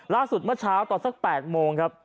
ล่าสุดเมื่อเช้าต่อสัก๘โมงครับ